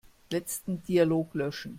Letzten Dialog löschen.